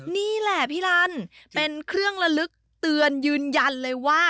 นี่แหละพี่ลันเป็นเครื่องละลึกเตือนยืนยันเลยว่า